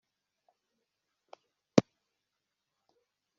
Ikaba tutareka ko iba umucanda!"